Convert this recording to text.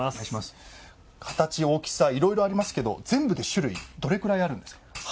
形大きさいろいろありますけど全部で種類どれくらいあるんですか？